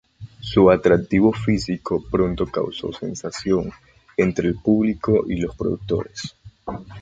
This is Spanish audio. Su atractivo físico pronto causó sensación entre el público y los productores.